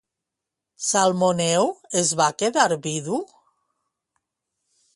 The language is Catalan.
Salmoneu es va quedar vidu?